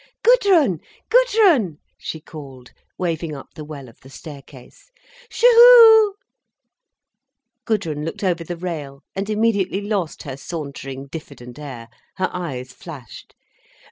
"Gudrun! Gudrun!" she called, waving up the well of the staircase. "Shu hu!" Gudrun looked over the rail, and immediately lost her sauntering, diffident air. Her eyes flashed.